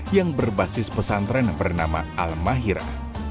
yang berbasis pesantren bernama al mahira